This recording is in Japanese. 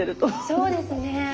そうですね。